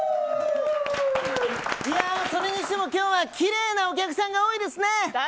それにしても今日はきれいなお客さんが多いですね。